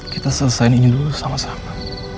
kita selesaikan ini dulu sama sama